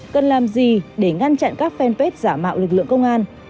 cần làm gì để ngăn chặn các fanpage giả mạo lực lượng công an